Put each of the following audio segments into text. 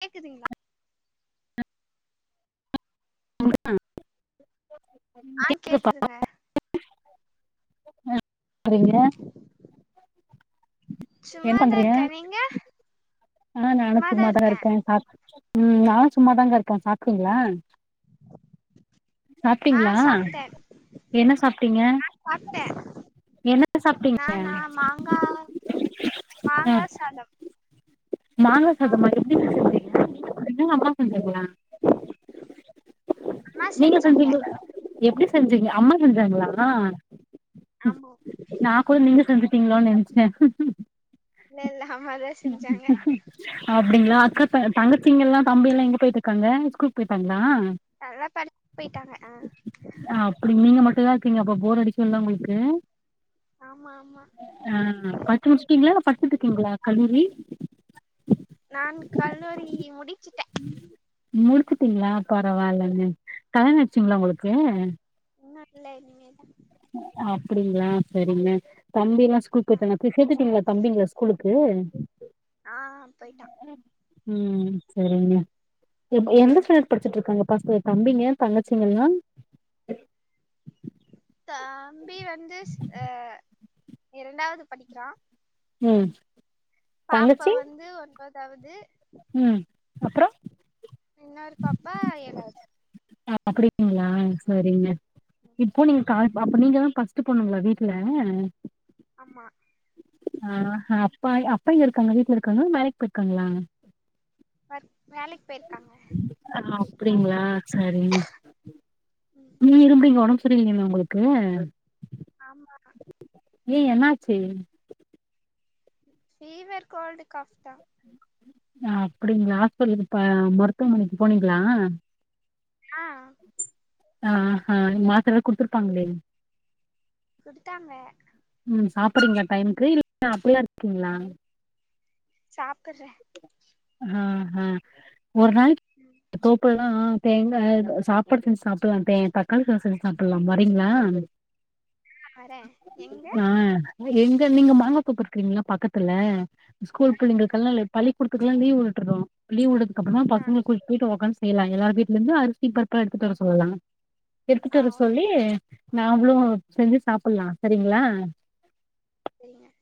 கேக்குதுங்ளா [inaudible] ஆ கேக்குதுங்க நா செரிங்க சும்மாதா இர்க நீங்க அம்மா நானு சும்மாதா இர்கே சா உம் நானு சும்மாதாங்க இர்கே சாப்டீங்ளா ஆ சாப்ட்டீங்களா சாப்ட்டே என்ன சாப்ட்டீங்க ஆ சாப்ட்டே என்ன சாப்ட்டீங்க நானா மாங்கா ஆ மாங்கா சாதம் மாங்கா ஆ சாதமா எப்டிங்க செஞ்சிங்க தென்னங்க அம்மா செஞ்சாங்களா அம்மா நீங்க செஞ்சாங்க செஞ்சீங்களா எப்டி செஞ்சீங்க அம்மா செஞ்சாங்ளா ஆமா நா கூட நீங்க செஞ்சிட்டீங்ளோ நெ [inaudible] இல்லேல அம்மாதா செஞ்சாங்க ம் அப்டிங்ளா அக்கா த தங்கச்சிங்கெல்லா தம்பி எல்லா எங்க போயிட்டுருக்காங்க ஸ்கூல் போயிட்டாங்ளா எல்லா படத்துக் போயிட்டாங்க அ தன்யா இருக்கீங்க அப்போ போர் அடிக்கோல உங்குளுக்கு ஆமா ஆமா ஆ படிச்சு முடிச்சுடீங்ளா படிச்சிட்டுருக்கீங்ளா கல்லூரி நான் கல்லூரி முடிச்சுட்டே முடிச்சிட்டீங்ளா பரவாலங்க கல்யாண ஆயிடுச்சுங்களா உங்குளுக்கு உன்னோ இல்ல இனிமேதா அப்டிங்ளா செரிங்க தம்பிலா ஸ்கூல் போய்டானா [unintelligible] சேத்துடீங்ளா தம்பிங்ல ஸ்கூலுக் கே ஆ போயிட்டா உம் செரிங்க எப் எந்த ஸ்டாண்டர்ட் படிச்சிட்டுருக்காங்க பஸ்க தம்பிங்க தங்கச்சிங்க எல்லா [inaudible] தம்பி வந்து சிஸ் ஆ இரண்டாவது படிக்றா உம் பாப்பா வந்து ஒன்பது அதாவது ம் அப்றோ இன்னொரு பப்பா ஏழாவ்து அ அப்டிங்ளா சேரிங்க இப்போ நீங்க கால் ப அப்ப நீங்கதா ஃபஸ்ட்டு பொண்ணுங்ளா வீட்ல ஆமா ஆ ஹ அப்பாய் அப்பா எங்க இருக்காங்க வீட்ல இருக்காங்லா வேலைக் பேயிர்க்காங்ளா ஒர்க் வேலைக்கு போயிருக்காங்க அ அப்டிங்ளா சரி ம் நீ இரும்றீங்க ஒடம் செரி இல்லிங்ளா உங்ளுக்கு ஆமா ஏ என்னாச்சு ஃபிவர் கோல்டு காஹ்ஃப் தா அ அப்புடிங்ளா ஹாஸ்பிட்லுக்கு இப்ப மருத்துவமனைக்கு போனீங்ளா ஆ ஆ ஹ மாத்தரலா குட்த்துர்ப்பாங்ளே குட்த்தாங்க சாப்ற்றிங்ளா டைம்க்கு இல் அப்புட்லா இர்க்கீங்ளா சாப்புற்ர ஹா ஹ ஒரு நாளிக்கி தோப்புலத ஆ ஆ தேங்காய் சாப்பாடு செஞ்சு சாப்டலாம் தே தக்காளி சாதம் செஞ்சு சாப்பிலாம் வரிங்களா? ஆஹ் வரேன் எங்கே எங்க நீங்க மாங்காதோப்பு இருக்கிங்களா பக்கத்துல ஸ்கூல் ஆ பிள்ளைங்களுக்கெல்லா பள்ளி கூடத்து லாம் லீவு விட்டறோம் லீவ் விட அப்டிதான் ஆ பசங்கள கூட்டிட்டு போய்ட்டு உக்காந் எல்லாம் எல்லாரு வீட்லருந்தும் அரிசி பருப்பலா எடுத்து வர சொல்லலாம். எடுத்துட்டு ஆ வர ஓ சொல்லி நாமளும் செஞ்சு சாப்பலா சரிங்களா சரிங்க [inaudible]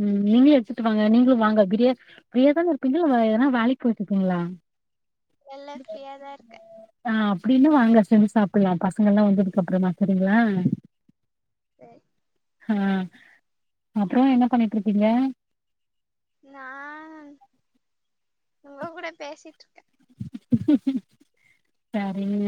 ம் நீங்களும் எடுத்துட்டு வாங்க, நீங்களும் வாங்க ஃபிரியா ஃபிரியாதான இருக் [unintelligible] ஏனா வேலைக்கு போயிட்டுருக்கீங்களா? எல்லா ஃப்ரீயா தா இருக்கே ஆ அப்டின்னு வாங்க செஞ்சு சாப்பலாம் பசங்க எல்லாம் வந்ததுக்கு அப்றமா சரிங்களா சேரி ஆ அப்பறம் என்ன பண்ணிட்டிருக்கீங்க? நான் உங்க கூட பேசிட்டிருக்கே சரிங்க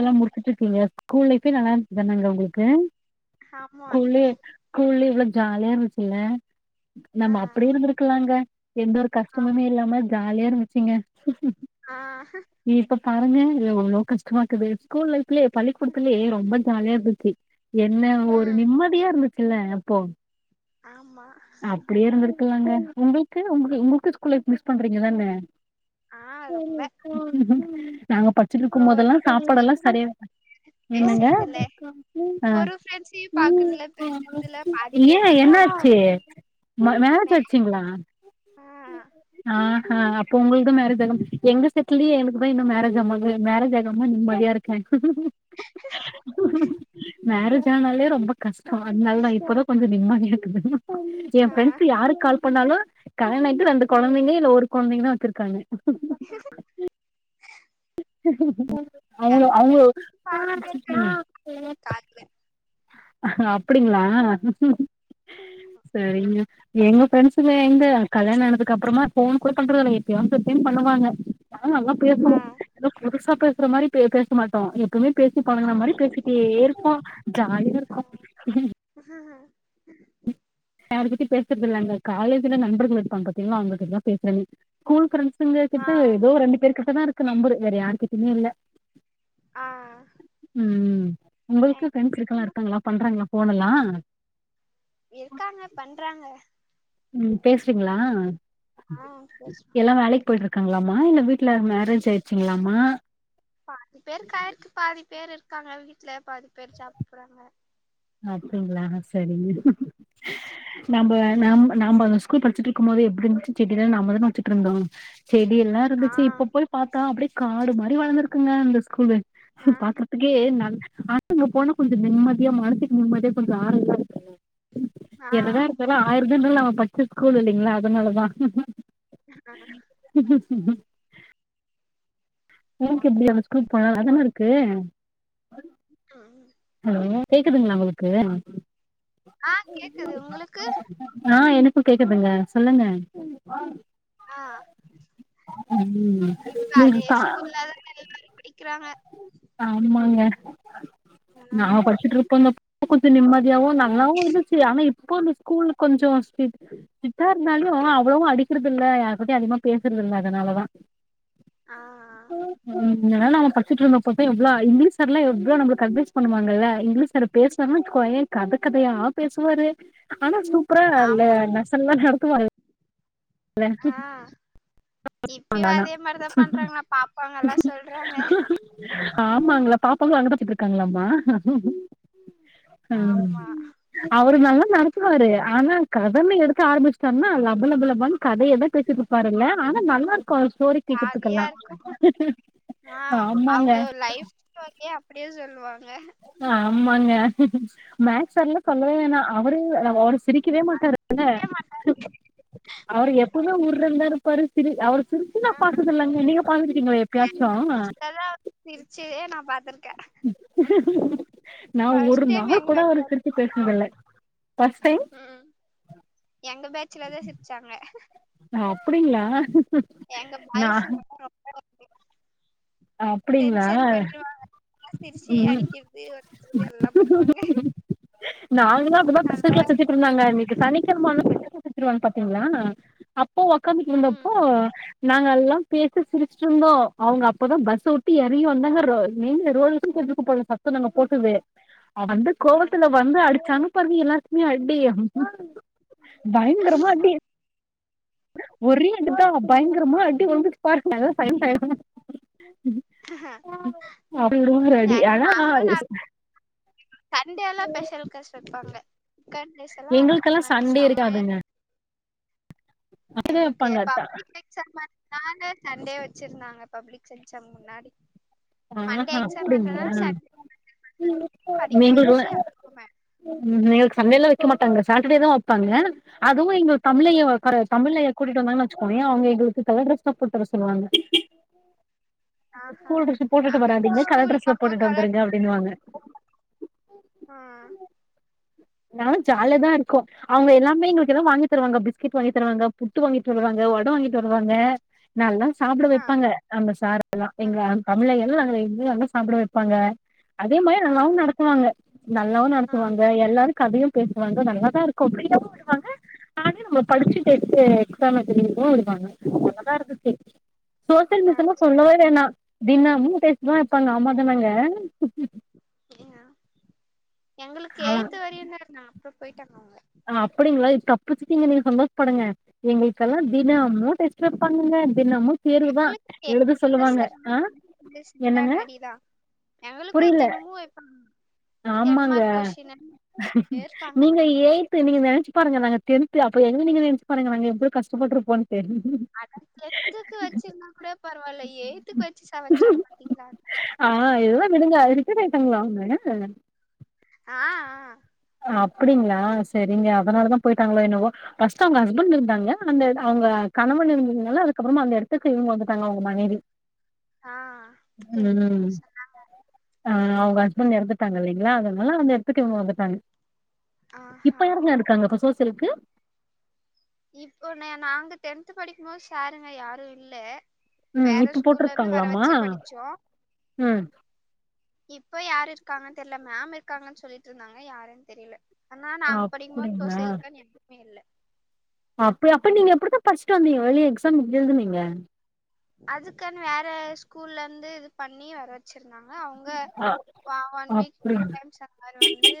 ஆ முடிச்சிட்டுருக்கீங்க கூல் லைஃபே நல்லா இருந்ச்தானாங்க உங்களுகு ஆமா குளே குளே வ்ளோ ஜாலியா இருந்சுல ஆ நம்ம அப்டி இருந்ருகலாங்க எந்த ஒரு ஆ ஆம் கஷ்டமுமே இல்லாம ஜாலியா இருந்ச்சிங்க ஆ இபப் பாருங்க இது எவ்ளோ கஷ்டமா இருக்குது ஸ்கூல் லைஃப் ப்ளே பள்ளிகூடத்லே ரொம்ப [unintelligible] என்ன ஒரு ம் நிம்மதியா இருந்துசுல அப்போ ஆமா டூஹன்ட்ரன் உங்ளுகு உங் உங்ளுகு ஸ்கூல் மிஸ் பண்றீங்களதான ஆ ரொம்ப [unintelligible] நாங்க பச்சுனுகு ஒரு போதெலா ஃப்ரெண்ட்ஸையு சாப்பாடெல்லா சரிய பாக்க என்னங்க பேசறதில்ல ஆ ஒரு ஃப்ரெண்ட்ஸையு பாக்கறதில்ல பேசறதில்ல பாதி ஏன் பேருக்கு என்ன மேரேஜ் ஆச்சு மே [unintelligible] அடிச்சீங்களா ஆ ஆ ஆஹ் அப்ப உங்குள்து மேரே எங்க செட்லியே எனகுதா இன்னு மேரேஜ் [unintelligible] மேரேஜ் ஆகாம நிம்மதியா இருகே மேரேஜ் ஆனாலே ரொம்ப கஷ்டொ அதனாலதா இப்பதா கொஞ்சொ நிம்மதியாற்க்கு என் ஆ ப்ரென்ஸு யாருகு கால் பண்ணாலு கல்யானஆயிட்டு ரண்டு கொழந்தைங்க இல் ஒரு கொழந்தைங்னா வெச்ருகாய்ங்க [unintelligible] அவுங்க கேங்க ஃப்ரெண்ட்ஸ் பாதி பேர் கை அவுங்க பாதி பேர் கால்ல அப்டிங்ளா செரிங்க எங்க ஃப்ரெண்ட்ஸுங்க எங்க கல்யாண ஆனதகு அப்றமா ஃபோன் கூட பண்றதல்ல எப்பப்ப பண்ணுவாங்க ஆன நல்லா பேசுவோ ஆ ஏ புதுசா பேசுற மாரி பே பேச மாட்டோ எ எப்வுமே பேசி ஆ பழகன மாரி பேசிடே இருபோ [unintelligible] அத பத்தி பேசறதில்ங்க காலேஜ்ல நண்பர்கள் இருபாங்‌ பாத்தீங்ளா அவங்ககிட்டதா பேஸ்ரனே ஸ்கூல் ஃப்ரெண்ட்ஸ் ஆ [unintelligible] இதோ ரண்டு பேர்கிட்டதா இருக் க்கு நம்பரு வேற யாருகிட்டைமே இல்ல ஆஹ் உம்ம் உங்களுக்கு பிரின்ட்ஸ் சர்க்கள் இருக்காங்களா பண்றாங்களா போனலாம் எதுக்காங்க பண்றாங்க ம் பேசுறீங்களா ஆ பேசுறோ எல்லா வேலைக் போயிட்டு இருக்காங்களாமா இல்ல வீட்ல மேரேஜ் ஆயிடுச்சுங்களாமா பாதி பேருக்கு ஆயிக்கு பாதி பேர் இருக் க்காங்க வீட்ல பாதி பேர் ஜாப் போறாங்க அப்டிங்ளா சரிங்க ம் நம்ப நம் நம்ப அந்த ஸ்கூல் படிச்சுட்டு இருக்கும் போது எப்டி இருந்துச்சு, செடிலா நம்பதான வச்சுட்டு இருந்தோ செடி எல்லா ஆ இருந்துச்சு இப்ப போய் பாத்தா அப்டியே காடு மாரி வளந்திருக்குங்க அந்த ஸ்கூலு ஆ பாக்குறதுக்கே நல்லா, ஆ அங்க போனா கொஞ்சோ நிம்மதியா மனசுக்கு நிம்மதியா கொஞ்சோ ஆறுதலா இருக்கு ஆ என்னதா இருந்தாலு ஆயிரந்தா இருந்தாலு நம்ப படிச்ச ஸ்கூல் இல்லிங்களா அதனாலதா உனக்கு எப்டி அந்த ஸ்கூல் போனா நல்லாதான இருக்கு ஆ [inaudible] ஹலோ கேக்குதுங்களா உங்களுக்கு ஆ கேக்குது உங்களுக்கு ஆ எனக் கேக்குதுங்க சொல்லுங்க ஆ ம் இப்ப நீங்க அதே கா ஸ்கூல்லா தான் எல்லாரும் படி கிரா ஆமாங்க ஆ நான் படிச்சிட்டிருந்தப்ப இப்ப கொஞ்ச நிம்மதி [unintelligible] தியாவும் நல்லாவும் இருந்துச்சு ஆனா இப் இப்ப இந்த ஸ்கூல் கொஞ்சம் ஸ்ட்ரிக்ட் ஸ்ட்ரிக்ட்டா இருந்தாலும் அவ்வளவும் அடிக்கிறதில்ல யாருகிட்டேயும் அதிகமா பேசுறதுல்ல அதனாலதான் ஆ ம் நல்ல வேள அவன் படிச் படிச்சிட்டு இருந்தப்ப எவ்வளோ இங்கிலீஷ் சாரெல்லாம் எவ்ளோ நமக்கு அட்வைஸ் பண்ணுவாங்கல்ல இங்கிலீஷ் சார் பேசுவாருன்னு வச்சுக்கோயேன் கத கதையா ஆ பேசுவாரு ஆனா சூப்பரா ஆமா லெஸனெல்லா நடத்துவாங்கல்ல ஆ இப்பயு அதே மாரிதா பண்றாங்களா பாப்பாங்கல்லா சொல்றாங்க ஆமாங்களா பாப்பாங்கெல்லா அங்க தா படிச்சிட்டு இருக்காங்களாம்மா ஆமா அவரு நல்லா நடத்துவாரு ஆனா கதன்னு எடுக்க ஆரம்பிச்சிட்டார்னா லப லப லபான் கதையேதா பேசிட்ருப்பாருல்ல ஆனா நல்லாருக் கு ஸ்டோரி ஜாலியா கேக்குற்த்துக்கல்லா ஆ அவுங்க லைஃப் ஸ்டோரியே அப்டி [unintelligible] சொல்லுவாங் [unintelligible] ஆமாங்க மேக் சொல்ல சொல்லவே ம். வேணா அவரே கு நம்ம ஒருஸ் சிரிக்கவே அது மாட்டாருல்ல சிரிக்கவே மாட்டாங்க. அவரு எப் எப்பமே உர்றுனுதா இருப்பாரு சிரி அவர் சிரிச்சி ஆ நா பாத்ததில்லங்க நீங்க பா்த்ருக்கீங்களா எப்பயாச்சு எங்க பேச்சுலதான் அவர் சிரிச்சதே நான் பாத்துருக்கேன். ம் நா ஒரு ஃபர்ஸ்ட் டைம் நாள் எங்க கூட அவரு பேச்சுல தான் சிரிச்சி சிரிச்சேன். பேசுனதில்ல ஃபஸ்ட் டைம் ம். எங்க பேச்சுல தான் சிரிச்சாங்க. ஆ அப்டிங்களா எங்க நா பாய்ஸுங்கலாம் [inaudible] அ அப்டிங்களா டென்ஷன் பண்ணிருவாங்க. சிரிச்சு ம் அடிக்கிறது, வளக்கிறது எல்லாம் பண்ணுவாங்க. நாங்களா அப்டிதா நல்லா பசங்க இருந்துச்சு. சுத்திட்ருந்தாங்க இன்னக்கி சனி [inaudible] பாத்தீங்ளா அப்போ ஒக்காந்துட்டு ம். இருந்தப்போ நாங்கல்லாம் பேசி சிரிச்சிட்ருந்தோ அவுங்க அப் போதா பஸ் ஸ உட்டு எறங்கி வந்தாங்க ரோ நீங்க ரோலுக்கு கொஞ்சுக்கு போட்ல சத்தொ நாங்க போட்டது வந்து கோவத்துல வந்து அடிச்சாங்க பாருங்க எல்லாருக்மே அடி ஆ பயங்கரமா அடி ஒரே அடிதா பயங்கரமா அடி [unintelligible] பாருங்க பயன்டாய்ங்க ஒரு அடி நாங்க ஆனா நாங்களு ந சண்டேல்லா பெஷல் காஸ் வப்பாங்க கண் எங்களுக்கெல்லா சண்டே இருக்காதுங்க இதா எங்களுக்கு வைப்பாங்க பப்ளிக் எக்சாம் அத்னால சண்டே வச் வச்சிருந்தாங்க பப்ளிக் செக்சாம் முன்னாடி ஆ மண்டே ஹா அப்டிங்களா எக்ஸாம்ன்றனால சண்டே படிக்க நீங்க ஒ வச்சு அப்பறமே ம் ம் [unintelligible] சண்டேலா வெக்க மாட்டாங்க சாட்டடேதா வப்பாங்க அதுவு எங்க தமிழையா ஒக்கார வெப் தமிழையா கூட்டிட்டு வந்தாங்கனு வச்சுக்கோயே அவுங்க எங்களுக்கு கலர் ட்ரெஸ் போட்டு வர சொல்லுவாங்க ஆ ஹா ஸ்கூல் டிரெஸ் போட்டுட்டு வராதீங்க கலர்ட்ரஸ்ல போட்டுட்டு வந்துருங்க அப்படின்னுவாங்க ஆ ன்னாலும் ஜாலியா தான் இருக்கும் அவங்க எல்லாமே எங்களுக்கு எல்லாம் வாங்கித் தருவாங்க பிஸ்கெட் வாங்கித் தருவாங்க புட்டு வாங்கிட்டு வருவாங்க வட வாங்கிட்டு வருவாங்க நல்லா சாப்பிட ஆ வைப்பாங்க நம்ம சாருக் எல்லாம் ஆ எங்க தமிழய் [unintelligible] வந்து சாப்ட வப்பாங்க அதே மாயி ஆ நல்லாவும் நடத்துவாங்க நல்லாவு ஆ நடத்துவாங்க எல்லாரு கதையும் பேசுவாங்க நல்லாதா இருக்கும் ஃப்ரீயாவு விடுவாங்க அது நம்ம படிச்சி செட்டு எக்ஸாமத் தெரியுமோ விடுவாங்க நல்லாதா இருந்துச்சு சோசியல் ஆ ஆ. மிஸுமு சொல்லவே வேணா தினம்மு டெஸ்ட்தா வெப்பாங்க ஆமாதானங்க எங்களுக்கு எய்த்து வரயுந்தாருந்தா அப்றொ பொய்ட்டாங்க அவங்க அ அப்டிங்ளா தப்பிச்சிட்டிங்க நீ சந்தோஷ்ப்படுங்க எங்களுக்கெல்லா தினம்மூ டெஸ்ட் வெப்பாங்கங்க தினமு தேர்வு தா எங்களுக்கு எழுத எய்த்துல சொல்லுவாங்க ஆ [unintelligible] என்னங்க சரியான அடிதா எங்களுக்கும் புரியல தினமு வெப்பாங்க ஆமாங்க டென்மார்க் கொஸிட்டினு [unintelligible] ட்டேருப்பாங்க து நீங்க நெனைச்சு பாருங்க நாங்க டென்த்து அப்ப எங்ள நீங் நெனைச்சுப் பாருங்க நாங்க எப்டி கஷ்டப்பட்ருப்போனு அட டென்த்துக்கு வச்சிருந்தாக் கூட பரவாயில்ல எய்த்துக்கு வச்சு சாவடிச்சாங்க பாத்திங்ளா ரிட்டைட் ஆயிட்டாங்ளா அவ்ங்க ஆஹ ஆ அப்டிங்ளா சரிங்க அதனாலதா பொயிட்டாங்களோ என்னவோ ஃபர்ஸ்ட்டு அவங்க ஹஸ்பண்ட் இருந்தாங்க அந்த எட் அவுங்க கணவன் இறந்ததுனால அதுக்கப்றமா அந்த இடத்துக்கு இவங்க வந்துட்டாங்க அவுங்க மனைவி ஆஹ் தெரியு சொன்னாங்க ஆஹ் அவுங்க ஹஸ்பண்ட் எறந்துட்டாங்க இல்லைங்களா அதனால அந்த எடத்துக்கு இவங்க வந்துட்டாங்க இப்ப ஆஹா யாருங்க இருக்காங்க இப்ப சோஸ் சில்க்கு இப்போ நே நாங்க டென்த் படிக்கும் போது சாருங்க யாரும் இல்ல உம் வேற இப்ப ஸ்கூல்ல இருந்து வர போட்ருக்காங்ளாமா வச்சு படிச்சோ உம் இப்ப யாரு இருக்காங்கன் தெரியல மேம் இருக்காங்கன் சொல்லிட்ருந்தாங்க யாருன் தெரியல அனா நாங்க படிக்கும்போ அப்டிங்களா சோசியல்க்குன் யாருமே இல்ல அப்பயா அப்ப நீங்க எப்புடிதா படிச்ட்டு வந்திங்க வெளியே எக்ஸாம் எப்டி எழுதுனிங்க அதுக்கன் வேற ஸ்கூல்ல இருந்து இது பண்ணி வர வச் ச்சிருந்தாங்க அவுங்க அ ஒ ஒன் வீக் டூ அப்டிங்களா டைம்ஸ் அந்தமார் வந்து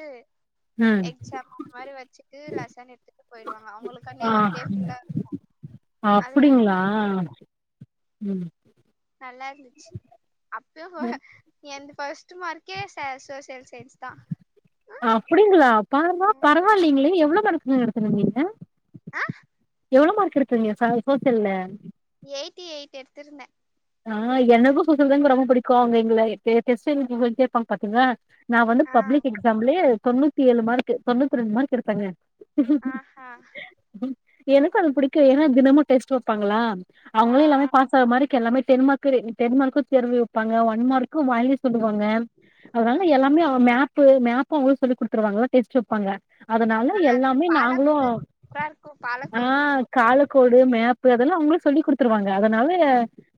ம் எக்சாம் அந்த மாரி வச்சுட்டு லெசன் எடுத்துட்டு பொய்டுவாங்க ஆ அவங்களுக்கான்டியே ஒன்டே ஃபுல்லா இருக்கு அதுல நாங்க அப்டிங்களா ம் நல்லா இருந்துச்சு அப்யு ம் எந்த ஃபர்ஸ்ட்டு மார்க்கே ச சோசியல்ஸ் அப்டிங்ளா பார்ரா ம் பரவால்லிங்களே எவ்ளோ மார்க்குங்க எடு இருந்திங்க ஆ எவ்ளோ மார்க் எடுத்திங்க ச சோசியல்ல எயிட்டி எயிட் எடுத்துருந்தே ஆ எனக்கு [unintelligible] ரொம்போ புடிக்கோ அங்க எங்கள [unintelligible] கேப்பாங் பாத்தீங்ளா நா வந்து ஆ பப்ளிக் எக்ஸாம்லே தொண்ணூத்தி ஏழு மார்க்கு தொண்ணூத்து ரெண்டு மார்க் எடுத்தங்க ஆஹா எனக்கோ அது புடிக்கோ ஏன்னா தினமு டெஸ்ட் வெப்பாங்களா ஆ ஆ அவ்ங்களே எல்லாமே பாஸ் ஆ மாரி கெல்லாமே டென்மார்க்கு ம் டென்மார்க்கு தெருவி வெப்பாங்க ஒன் மார்க்கு வாய்லிஸ் சொல்லுவாங்க அதனால ம் எல்லாமே அவ மேப்பு மேப் ப்பு அவங்ளே சொல்லி குடுத்துருவாங்க டெஸ்ட்டு வெப்பாங்க அதனால ஆ அதுல எல்லாமே நாங்குளோ பாலக்கோடு சூப்பரா இருக்கு ஆ பாலக்கோடு காலக்கோல் டு மேப்பு அதெல்லா அவ்ங்ளே சொல்லி குடுத்துருவாங்க அதனாலே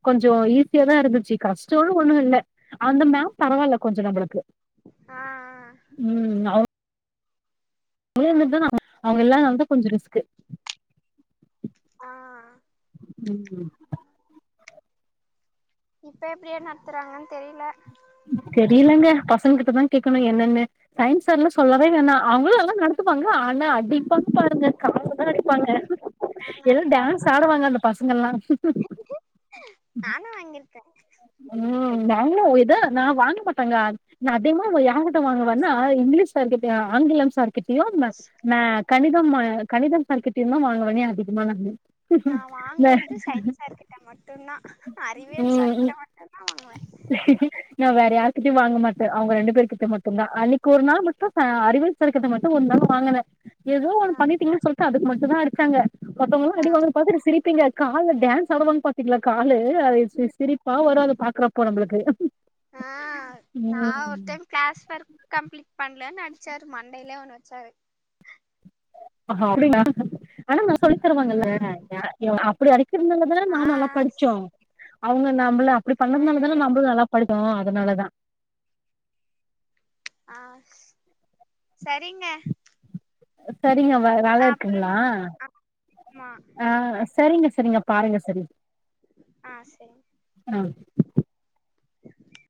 கொஞ்சோ ஈஸியா தா இருந்துச்சி கஷ்டோன்னு ஒண்ணு இல்ல அந்த மேம் பரவால்ல கொஞ்சோ நம்பளுக்கு ஆ ஆ ம் அ [unintelligible] அவ்ங்க இல்லாதனால தா கொஞ்ஜோ ரிஸ்க்கு ஆ ம் இப்ப எப்டி நடத்துறாங்கன்னு தெரில தெரியலேங்க பசங்க ப்பதா கேக்கணும் என்னென்னு சயின்ஸ் சாரெலா சொல்லவே வேணா அவுங்களும் நடத்துவாங்க ஆனா அடிப்பாங்க பாருங்க கால்ல தா அடிப்பாங்க எல் டான்ஸ் ஆடுவாங்க அந்த பசங்கெல்லா நானு வாங்கிருக்கே ம் நாங்ளோ இத [unintelligible] நா வாங்க மாட்டங்க நா அதிகமா யார்கிட்ட வாங்குவேன்னா இங்கிலீஸ் சார் கிட்ட ஆ ஆங்கிலம் சார் கிட்டயு மே கணிதம் கணிதம் சார்கிட்டயு ந்தா வாங்குவே நானு அதிகமா நானு நா இந்த வாங்கறது சயின்ஸார் கிட்ட மட்டுந்தா அறிவியல் சார் ம் கிட்ட மட்டுந்தா வாங்குவே நா வேற யார்கிட்டயு வாங்கமாட்டே அவுங்க ரெண்டு பேரு கிட்ட மட்டுந்தா அன்னிக்கு ஒரு நாள் மட்டு அறிவு சார் கிட்ட மட்டு ஒரு நாள் வாங்கன ஏதோ ஒன் ஆ பண்ணிடீங்க சொல்ட்டு அதுக்கு மட்டு இப்படி தான் அடிச்சாங்க மத்தவங்கெல்லா ஆ அடிவாங்கறது பாத்துட்டு சிரிப்பீங்க கால்ல டான்ஸ் ஆடுவாங்க பாத்தீங்களா. காலு அது சிரிப் சிரிப்பா வராது. பாக்குறப்போ நம்மளுக்கு ஹஹாஹ. ஆ நா ஒரு டைம் கிளாஸ் ஒர்க் கம்ப்ளீட் பண்லனு அடி ச்சாரு மண்டையிலே ஒண்ணு வச்சாரு. ஆ அப்டிங்ளா ஆனா நல் ல சொல்லித்தருவாங்கல்ல ம் யாரயு அ ப்படி அடி கிறனாலதான ஆ நாம நல்லா படிச்சோ. அவங்க நம் நம்பள அப்படி ம் பண்ணதுனாலதான ம் நம்பளு நல்லா படிச் சோ அதனாலதா. ஆ சரிங்க. சரிங்க வ வேல நா இருக்குங்களா அப்புறமா ஆமா அ சரிங்க. நீங்க பாருங்க சரி ஆ சரி ஆ